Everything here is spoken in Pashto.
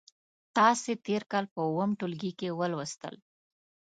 تاسې تېر کال په اووم ټولګي کې ولوستل.